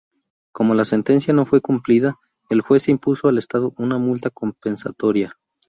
Como la sentencia no fue cumplida, el juez impuso al Estado una multa compensatoria.